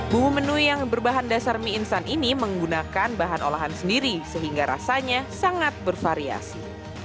bumbu menu yang berbahan dasar mie instan ini menggunakan bahan olahan sendiri sehingga rasanya sangat bervariasi